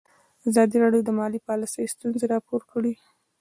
ازادي راډیو د مالي پالیسي ستونزې راپور کړي.